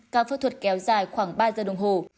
ca phẫu thuật kéo dài khoảng ba giờ đồng hồ